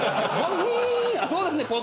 「そうですね」